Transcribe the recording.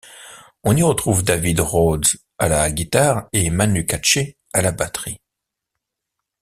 On y retrouve David Rhodes à la guitare et Manu Katché à la batterie.